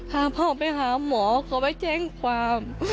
พาพ่อไปหาหมอเขาไปแจ้งความ